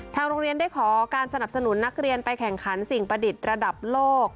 โรงเรียนได้ขอการสนับสนุนนักเรียนไปแข่งขันสิ่งประดิษฐ์ระดับโลก